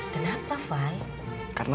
karena ijazah sma aku itu lebih berharga